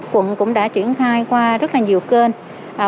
quận cũng đã triển khai qua rất là nhiều kênh